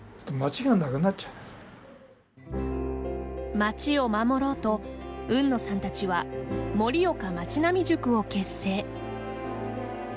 町を守ろうと海野さんたちは盛岡まち並み塾を結成。